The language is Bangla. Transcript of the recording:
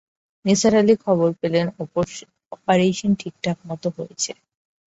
নিসার আলি খবর পেলেন অপারেশন ঠিকঠাকমতো হয়েছে।